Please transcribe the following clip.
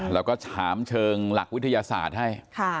แล้วก็ถามเชิงหลักวิทยาศาสตร์ให้